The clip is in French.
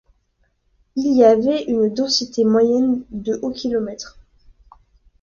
Il y avait avec une densité moyenne de au km.